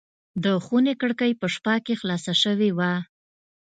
د خونې کړکۍ په شپه کې خلاصه شوې وه.